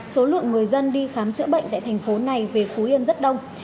số lượng người dân đi khám chữa bệnh tại thành phố này về phú yên rất đông